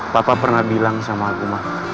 papa pernah bilang sama aku mah